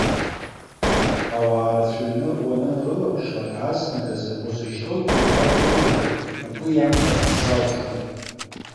Ауаа рацәаҩны уанынрылаԥшлак, азныказы, узышьҭоугьы убра дрылоушәа угәы иамбарц залшом.